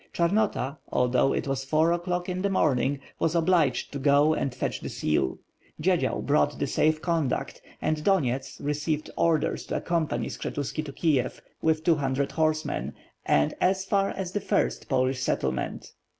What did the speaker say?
Chamota, although it was four o'clock in the morning was obliged to go and fetch the seal. Dzied zial brought the safe conduct and Donyets, received orders to accompany Skshetuski to Kiev, with two hundred horsemen; and aa far as the first Polish settlement.